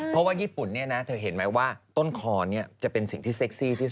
เพราะว่าญี่ปุ่นเนี่ยนะเธอเห็นไหมว่าต้นคอจะเป็นสิ่งที่เซ็กซี่ที่สุด